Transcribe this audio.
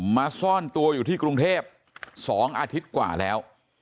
มาซ่อนตัวอยู่ที่กรุงเทพ๒อาทิตย์กว่าแล้ว